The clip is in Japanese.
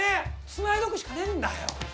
つないどくしかねえんだよ。